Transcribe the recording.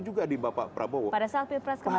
juga di bapak prabowo pada saat pilpres kemarin